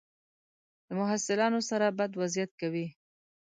له محصلانو سره بد وضعیت کوي.